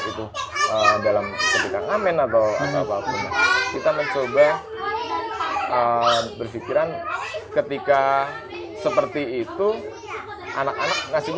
itu dalam ketika kemen atau kita mencoba berpikiran ketika seperti itu anak anak